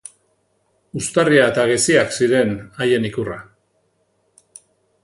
Uztarria eta geziak ziren haien ikurra.